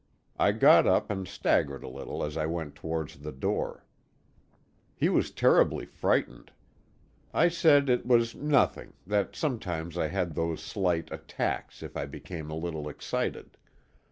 I got up and staggered a little, as I went towards the door. He was terribly frightened. I said it was "nothing;" that sometimes I had those slight "attacks" if I became a little excited.